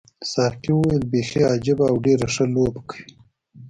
ساقي وویل بیخي عجیبه او ډېره ښه لوبه کوي.